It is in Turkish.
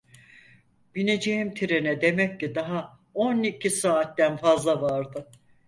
Bineceğim trene demek ki daha on iki saatten fazla vardı.